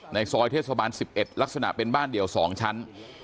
ในซอยเทศบาลสิบเอ็ดลักษณะเป็นบ้านเดียวสองชั้น